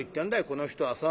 この人はさ。